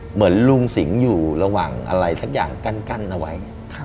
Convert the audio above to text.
เหมือนลุงสิงห์อยู่ระหว่างอะไรสักอย่างกั้นเอาไว้